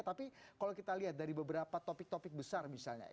tapi kalau kita lihat dari beberapa topik topik besar misalnya